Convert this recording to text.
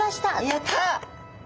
やった！